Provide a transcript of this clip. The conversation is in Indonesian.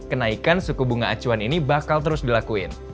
kenaikan suku bunga acuan ini bakal terus dilakuin